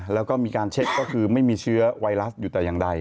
แล้วก็มีการเช็คก็คือไม่มีเชื้อไวรัสอยู่แต่อย่างใด